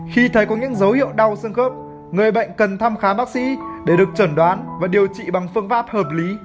khi thấy có những dấu hiệu đau xương khớp người bệnh cần thăm khám bác sĩ để được chẩn đoán và điều trị bằng phương pháp hợp lý